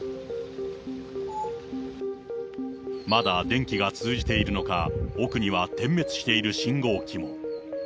まだ電気が通じているのか、奥には点滅している信号機も。